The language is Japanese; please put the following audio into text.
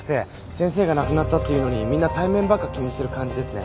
先生が亡くなったっていうのにみんな体面ばっか気にしてる感じですね。